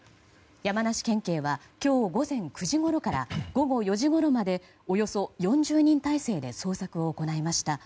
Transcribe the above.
山梨県警は今日午前９時ごろから午後４時ごろまでおよそ４０人態勢で捜索を行いました。